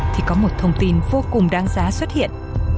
thì có một thông tin vô cùng đáng giá xuất hiện